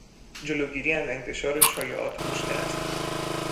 جلوگیری از انتشار شایعات مشکل است.